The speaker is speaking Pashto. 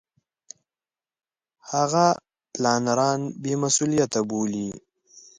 هغه پلانران بې مسولیته بولي.